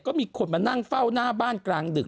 ก็มีคนมานั่งเฝ้าหน้าบ้านกลางดึก